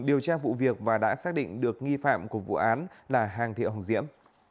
điều tra vụ việc và đã xác định được nghi phạm của vụ án là hàng thị hồng diễm